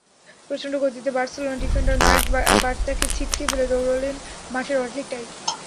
প্রচন্ড গতিতে Barcelona defender Mark বার্ত্রাকে ছিটকে ফেলে দৌড়ালেন মাঠের অর্ধেকটাই।